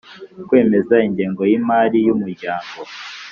Kwemeza ingengo y imari y umuryango